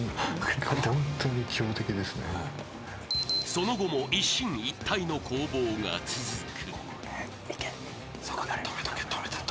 ［その後も一進一退の攻防が続く］